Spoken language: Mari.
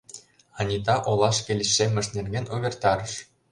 Анита олашке лишеммышт нерген увертарыш.